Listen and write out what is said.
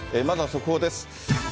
まずは速報です。